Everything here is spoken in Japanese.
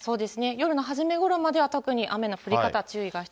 夜の初めごろまでは特に雨の降り方、注意が必要